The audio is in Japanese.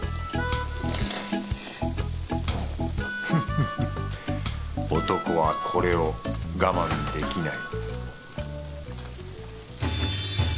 フフフッ男はこれを我慢できない